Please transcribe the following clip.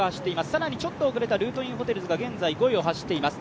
更にちょっと送れたルートインホテルズが現在、５位を走っています。